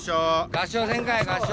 合掌せんかい合掌！